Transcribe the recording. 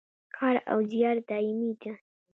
کار او زیار دایمي دی